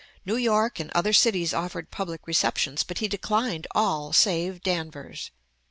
New York and other cities offered public receptions; but he declined all save Danvers.